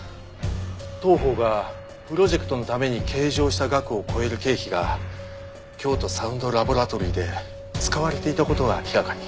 当方がプロジェクトのために計上した額を超える経費が京都サウンド・ラボラトリーで使われていた事が明らかに。